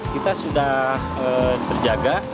kita sudah terjaga